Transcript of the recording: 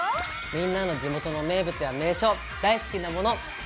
みんなの地元の名物や名所大好きなもの。